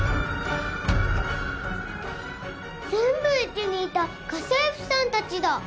全部うちにいた家政婦さんたちだ！